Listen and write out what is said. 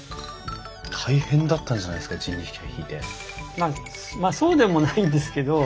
まあまあそうでもないんですけど。